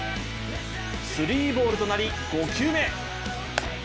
スリーボールとなり５球目。